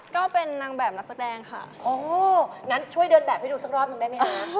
ก็เป็นนางแบบนักแสดงค่ะโอ้งั้นช่วยเดินแบบให้ดูสักรอบหนึ่งได้ไหมคะ